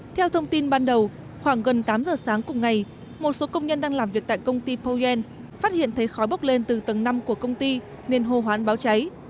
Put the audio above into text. theo thông tin ban đầu khoảng gần tám giờ sáng cùng ngày một số công nhân đang làm việc tại công ty poyen phát hiện thấy khói bốc lên từ tầng năm của công ty nên hô hoán báo cháy